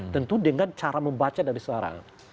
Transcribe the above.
tentu dengan cara membaca dari seorang